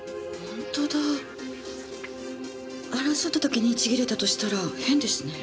争った時にちぎれたとしたら変ですね。